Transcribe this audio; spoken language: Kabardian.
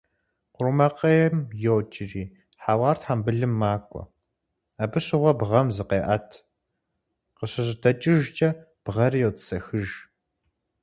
Къурмакъейм йокӀри хьэуар тхъэмбылым макӀуэ, абы щыгъуэ бгъэм зыкъеӀэт, къыщыжьэдэкӀыжкӀэ бгъэри йотӀысэхыж.